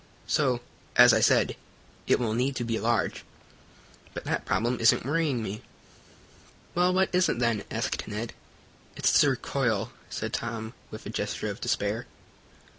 So, as I said, it will need to be large. But that problem isn't worrying me." "Well, what is it, then?" asked Ned. "It's the recoil," said Tom, with a gesture of despair.